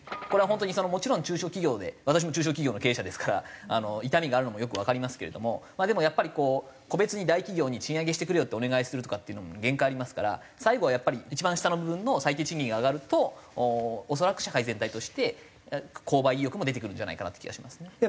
これは本当にもちろん中小企業で私も中小企業の経営者ですから痛みがあるのもよくわかりますけれどもでもやっぱりこう個別に大企業に賃上げしてくれよってお願いするとかっていうのも限界ありますから最後はやっぱり一番下の部分の最低賃金が上がると恐らく社会全体として購買意欲も出てくるんじゃないかなっていう気はしますね。